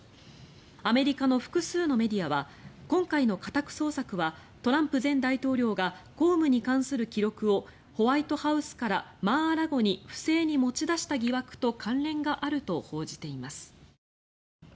アメリカの複数のメディアは今回の家宅捜索はトランプ前大統領が公務に関する記録をホワイトハウスからマー・ア・ラゴに不正に持ち出した疑惑と関連があると報じています。